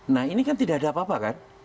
nah ini kan tidak ada apa apa kan